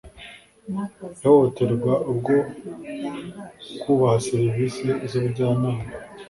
Ihohoterwa ubwo kubaha serivisi z’ ubujyanama